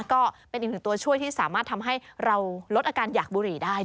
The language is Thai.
ก็เป็นอีกหนึ่งตัวช่วยที่สามารถทำให้เราลดอาการอยากบุหรี่ได้